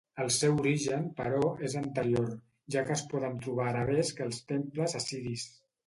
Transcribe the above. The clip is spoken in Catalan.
El seu origen, però, és anterior, ja que es poden trobar arabescs als temples assiris.